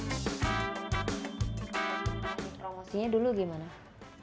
promosinya dulu gimana